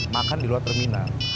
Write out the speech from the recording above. makan di luar terminal